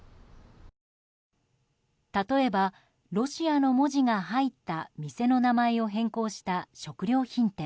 例えばロシアの文字が入った店の名前を変更した食料品店。